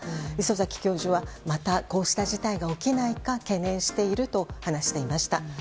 礒崎教授は、またこうした事態が起きないか懸念していると話していました。